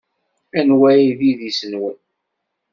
Anwa ay d idis-nwen?